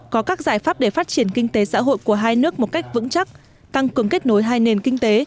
có các giải pháp để phát triển kinh tế xã hội của hai nước một cách vững chắc tăng cường kết nối hai nền kinh tế